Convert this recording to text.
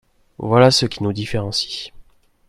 Voilà ce qui nous différencie.